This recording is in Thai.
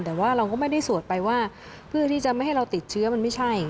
แต่ว่าเราก็ไม่ได้สวดไปว่าเพื่อที่จะไม่ให้เราติดเชื้อมันไม่ใช่